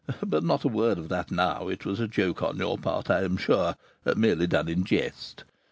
But not a word of that now; it was a joke on your part, I am sure, merely done in jest.